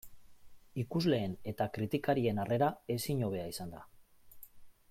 Ikusleen eta kritikarien harrera ezin hobea izan da.